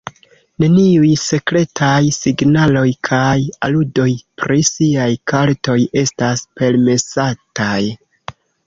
Neniuj sekretaj signaloj kaj aludoj pri siaj kartoj estas permesataj.